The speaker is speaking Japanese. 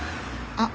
あっ！